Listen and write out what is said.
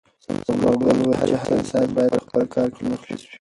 ثمرګل وویل چې هر انسان باید په خپل کار کې مخلص وي.